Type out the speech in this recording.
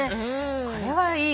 これはいい。